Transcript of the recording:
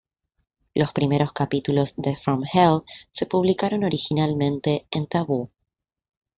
Los primeros capítulos de "From Hell" se publicaron originalmente en "Taboo".